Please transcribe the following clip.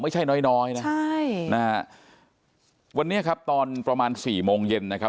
ไม่ใช่น้อยน้อยนะใช่นะฮะวันนี้ครับตอนประมาณสี่โมงเย็นนะครับ